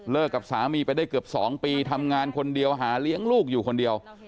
กับสามีไปได้เกือบ๒ปีทำงานคนเดียวหาเลี้ยงลูกอยู่คนเดียว